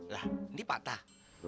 lah ini patah